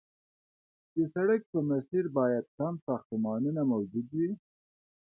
د سړک په مسیر کې باید کم ساختمانونه موجود وي